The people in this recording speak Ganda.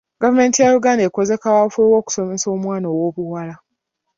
Gavumenti ya Uganda ekoze kaweefube w'okusomesa omwana ow'obuwala.